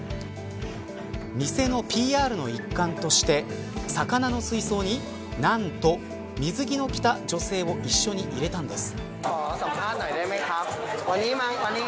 店のＰＲの一環として魚の水槽に何と水着を着た女性を一緒に入れたのです。